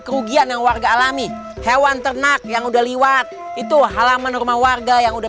kerugian yang warga alami hewan ternak yang udah liwat itu halaman rumah warga yang udah